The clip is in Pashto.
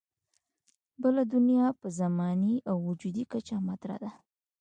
بله دنیا په زماني او وجودي کچه مطرح ده.